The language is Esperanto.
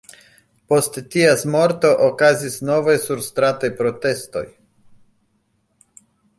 Post ties morto okazis novaj surstrataj protestoj.